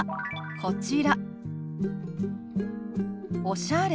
こちら。